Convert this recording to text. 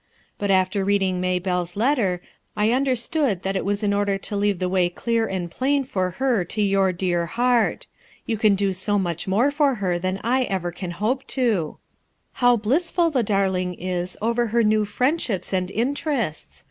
But after reading May 284 ItUTII ERSKINE'S SON belled letter I understood that it was in order to leave the way clear and plain for her to your dear heart; you can do so much more for her than I can ever hope to." How blissful the darling is over her new friendships and interests